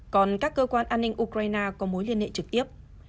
còn các cơ quan an ninh ukraine có mối liên hệ trực tiếp